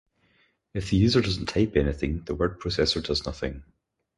If the user doesn't type anything, the word processor does nothing.